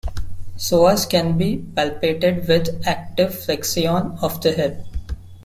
Psoas can be palpated with active flexion of the hip.